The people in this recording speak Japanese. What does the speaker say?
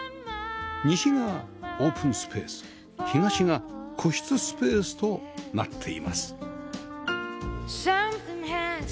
西がオープンスペース東が個室スペースとなっています